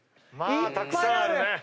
たくさんあるね。